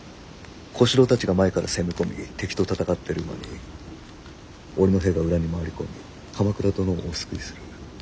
小四郎たちが前から攻め込み敵と戦ってる間に俺の兵が裏に回り込み鎌倉殿をお救いする。